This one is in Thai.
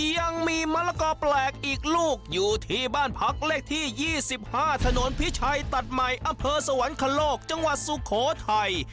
ยังมีมะละกอแปลกอีกลูกอยู่ที่บ้านพักเลขที่๒๕ถนนพิชัยตัดใหม่อำเภอสวรรคโลกจังหวัดสุโขทัย